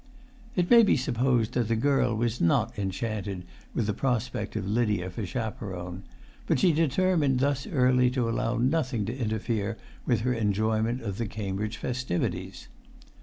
It may be supposed that the girl was not enchanted with the prospect of Lydia for chaperone; but she determined thus early to allow nothing to interfere with her enjoyment of the Cambridge festivities.